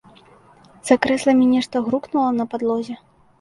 За крэсламі нешта грукнула на падлозе.